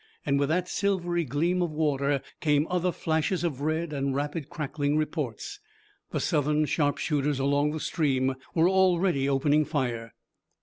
And with that silvery gleam of water came other flashes of red and rapid crackling reports. The Southern sharpshooters along the stream were already opening fire.